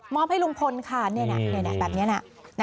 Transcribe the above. ให้ลุงพลค่ะแบบนี้นะ